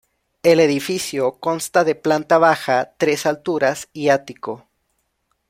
El edificio consta de planta baja, tres alturas y ático.